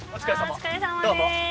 お疲れさまです。